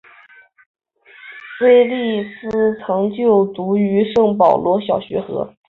威利斯曾就读于圣保罗小学和。